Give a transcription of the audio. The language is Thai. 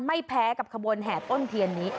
ไม่แพ้กับขบวนแห่ต้นเทียนนี้